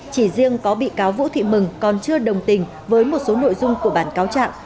chỉ riêng có bị cáo vũ thị mừng còn chưa đồng tình với một số nội dung của bản cáo trạng